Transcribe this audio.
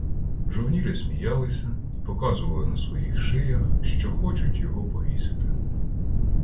Жовніри сміялися і показували на своїх шиях, що хочуть його повісити.